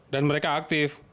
dan mereka aktif